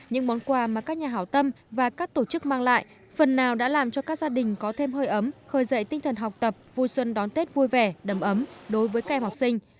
những món quà mà các nhà hảo tâm và các tổ chức mang lại phần nào đã làm cho các gia đình có thêm hơi ấm khởi dậy tinh thần học tập vui xuân đón tết vui vẻ đầm ấm đối với các em học sinh